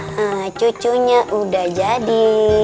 nah cucunya udah jadi